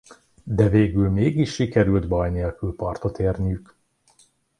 De végül mégis sikerül baj nélkül partot érniük.